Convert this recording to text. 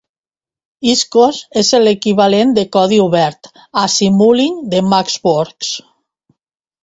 Xcos és l'equivalent de codi obert a Simulink de MathWorks.